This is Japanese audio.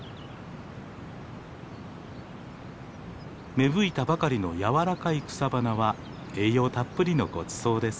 芽吹いたばかりの柔らかい草花は栄養たっぷりのごちそうです。